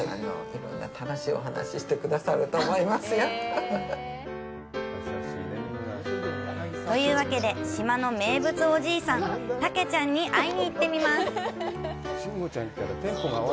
いろんな楽しいお話してくださると思いますよ。というわけで、島の名物おじいさんたけちゃんに会いに行ってみます。